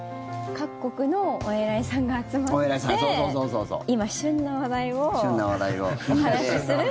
各国のお偉いさんが集まって今、旬な話題をお話する